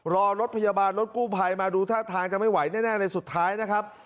รอรถพยาบาลรถกู้ภัยมาดูท่าทางจะไม่ไหวแน่เลยสุดท้ายนะครับ